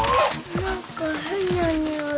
何か変なにおいがする。